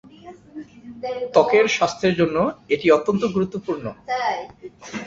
ত্বকের স্বাস্থ্যের জন্য এটি অত্যন্ত গুরুত্বপূর্ণ।